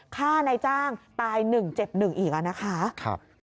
ฆ่านายจ้างตาย๑เจ็บ๑อีกนะคะ